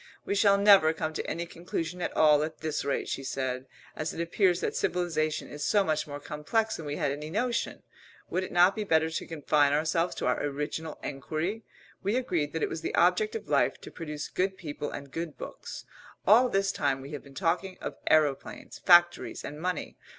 "We shall never come to any conclusion at all at this rate," she said. "As it appears that civilisation is so much more complex than we had any notion, would it not be better to confine ourselves to our original enquiry? We agreed that it was the object of life to produce good people and good books. All this time we have been talking of aeroplanes, factories, and money.